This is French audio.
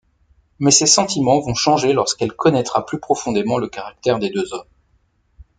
Mais ses sentiments vont changer lorsqu'elle connaîtra plus profondément le caractère des deux hommes.